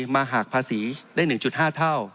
มาหักภาษีได้๑๕เท่า